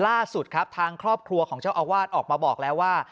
ล่าสุดครับทางครอบครัวของเจ้าอาวาสออกมาบอกแล้วว่า